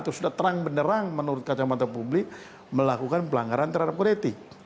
atau sudah terang benerang menurut kacamata publik melakukan pelanggaran terhadap politik